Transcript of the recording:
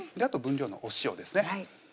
あと分量のお塩ですね